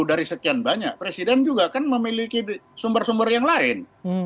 dari sekian banyak presiden juga kan memiliki sumber sumber yang lain